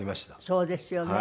そうですよね。